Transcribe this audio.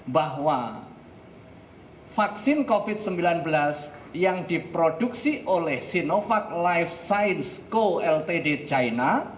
bahwa vaksin covid sembilan belas yang diproduksi oleh sinovac life science co ltd china